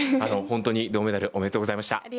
本当に銅メダルおめでとうございました。